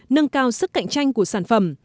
nâng cao sức cạnh tranh của sản phẩm